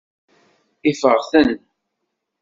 Ifeɣ-ten.